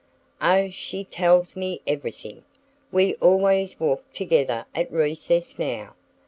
"Oh, she tells me everything! We always walk together at recess now.